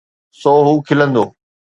سو هو کلندو.